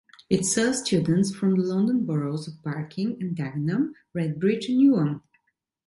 It serves students from the London Boroughs of Barking and Dagenham, Redbridge, and Newham.